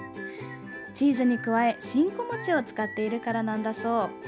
チーズに加え、しんこ餅を使っているからなんだそう。